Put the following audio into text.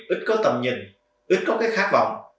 ít có tầm nhìn ít có cái khát vọng